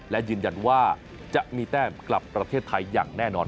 และยืนยันว่าจะมีแต้มกลับประเทศไทยอย่างแน่นอน